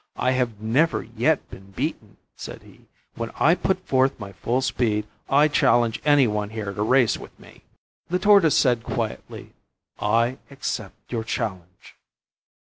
"I have never yet been beaten," said he, "when I put forth my full speed. I challenge any one here to race with me." The Tortoise said quietly, "I accept your challenge."